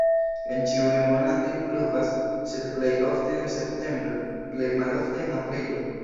En ĉiuj monatoj pluvas, sed plej ofte en septembro, plej malofte en aprilo.